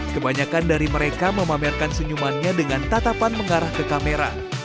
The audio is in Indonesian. kebanyakan dari mereka memamerkan senyumannya dengan tatapan mengarah ke kamera